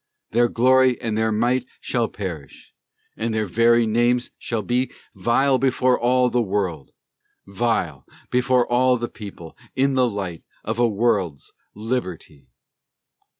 Their glory and their might Shall perish; and their very names shall be Vile before all the people, in the light Of a world's liberty.